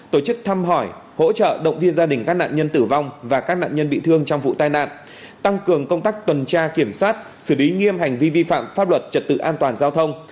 tổ chức thăm hỏi hỗ trợ động viên gia đình các nạn nhân tử vong và các nạn nhân bị thương trong vụ tai nạn